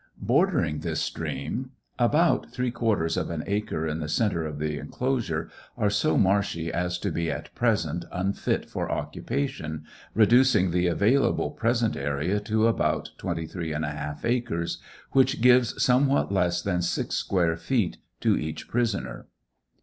Bordering this stream about three quarters of an acre in the centre of the enclosure are so marshy as to be at present un6t for occupation, reducing the available present area to about •23i acres, which gives somewhat less than six square feet to each prisoner.